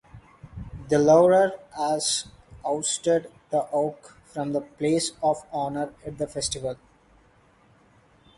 The laurel had ousted the oak from the place of honor at the festival.